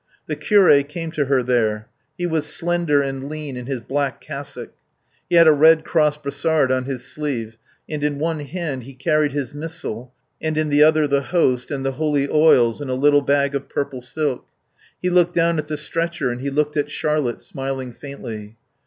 The curé came to her there. He was slender and lean in his black cassock. He had a Red Cross brassard on his sleeve, and in one hand he carried his missal and in the other the Host and the holy oils in a little bag of purple silk. He looked down at the stretcher and he looked at Charlotte, smiling faintly.